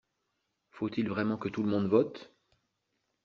Faut-il vraiment que tout le monde vote?